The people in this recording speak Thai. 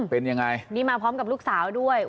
เป็นยังไงนี่มาพร้อมกับลูกสาวด้วย